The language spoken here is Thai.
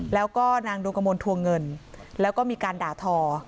แล้วก็นางดวงกระมวลทวงเงินแล้วก็มีการด่าทอ